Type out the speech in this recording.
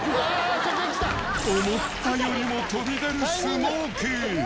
思ったよりも飛び出るスモーク。